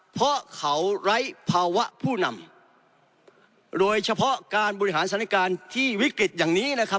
เพราะเขาไร้ภาวะผู้นำโดยเฉพาะการบริหารสถานการณ์ที่วิกฤตอย่างนี้นะครับ